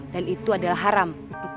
dan itu adalah haram